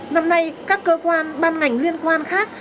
năm nay các cơ quan ban ngành liên quan khác